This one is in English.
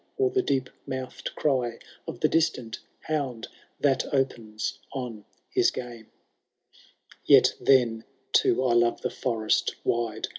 Or the deep mouthed cry of the distant hound That opens on his game : Yet then, too, I love the forest wide.